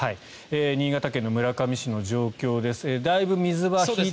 新潟県の村上市の状況です。